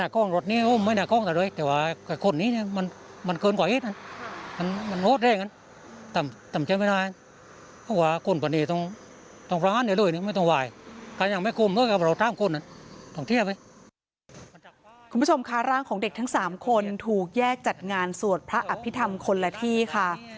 คุณผู้ชมค่ะร่างของเด็กทั้ง๓คนถูกแยกจัดงานสวดพระอภิษฐรรมคนละที่ค่ะ